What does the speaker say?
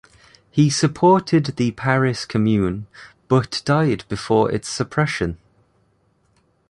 He supported the Paris Commune but died before its suppression.